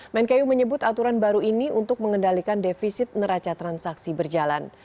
menkeu menyebut aturan baru ini untuk mengendalikan defisit neraca transaksi berjalan